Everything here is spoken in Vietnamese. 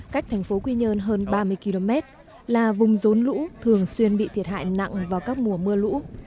cách thành phố quy nhơn hơn ba mươi km là vùng rốn lũ thường xuyên bị thiệt hại nặng vào các mùa mưa lũ